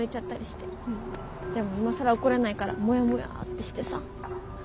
でも今更怒れないからモヤモヤってしてさ。